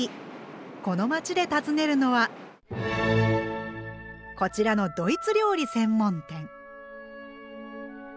この街で訪ねるのはこちらのドイツ料理専門店。